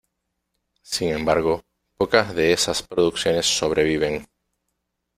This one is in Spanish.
Sin embargo, pocas de esas producciones sobreviven.